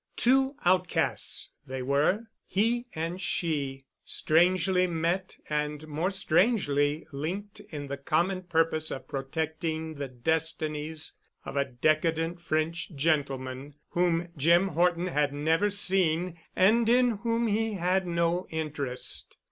Two outcasts they were, he and she, strangely met and more strangely linked in the common purpose of protecting the destinies of a decadent French gentleman whom Jim Horton had never seen and in whom he had no interest.